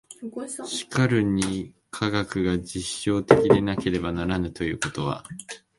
しかるに科学が実証的でなければならぬということは、